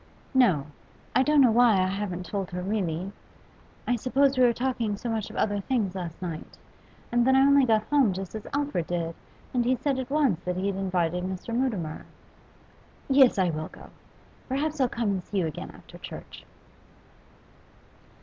'No. I don't know why I haven't told her, really. I suppose we were talking so much of other things last night. And then I only got home just as Alfred did, and he said at once that he had invited Mr. Mutimer. Yes, I will go. Perhaps I'll come and see you again after church.